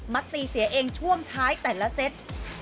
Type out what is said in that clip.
ตีเสียเองช่วงท้ายแต่ละเซต